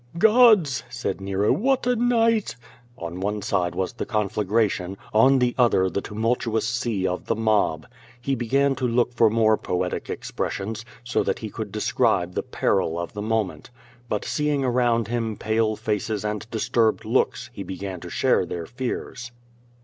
"Gods!" said Nero, "what a night." On one side was the conflagration, on the other the tumultuous sea of the mob. He began to look for more poetic expressions, so that he could describe the peril of the moment. But seeing around him pale faces and disturlx^d looks he began to share their fears.